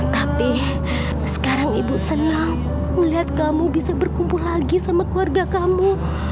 tapi sekarang ibu senang melihat kamu bisa berkumpul lagi sama keluarga kamu